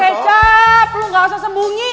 botol kecap lo gak usah sembunyi